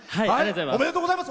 おめでとうございます。